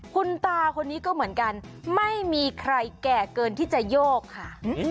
คุณตาคนนี้ก็เหมือนกันไม่มีใครแก่เกินที่จะโยกค่ะ